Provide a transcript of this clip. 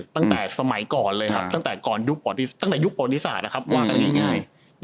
ตั้งแต่สมัยก่อนเลยครับตั้งแต่ยุคปวดศาสตร์ว่ากันง่าย